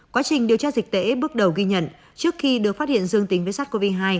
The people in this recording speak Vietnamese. quá trình điều tra dịch tễ bước đầu ghi nhận trước khi được phát hiện dương tính phế sát covid hai